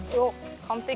完璧。